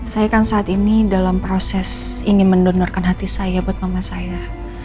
saya kan saat ini dalam proses ingin mendonorkan hati saya buat mama saya